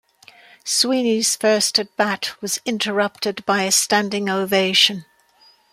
Sweeney's first at bat was interrupted by a standing ovation.